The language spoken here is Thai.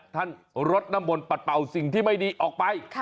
ท่านรดน้ำบนเปล่าสิ่งที่ไม่ดีออกไป